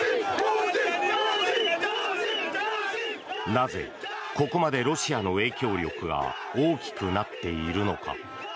なぜここまでロシアの影響力が大きくなっているのか。